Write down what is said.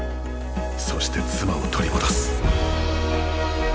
そして妻を取り戻す。